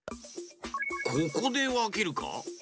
ここでわけるか？